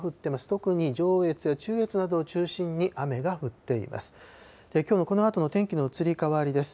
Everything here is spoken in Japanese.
特に上越、中越などを中心に雨が降っています。